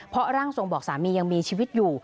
เพราะร่างทรงบอกสามียังมีชีวิตอยู่